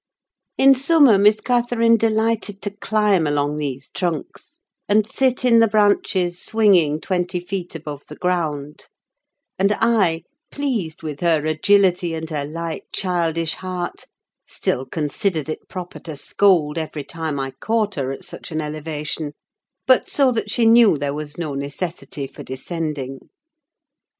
In summer Miss Catherine delighted to climb along these trunks, and sit in the branches, swinging twenty feet above the ground; and I, pleased with her agility and her light, childish heart, still considered it proper to scold every time I caught her at such an elevation, but so that she knew there was no necessity for descending.